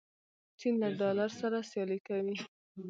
چین له ډالر سره سیالي کوي.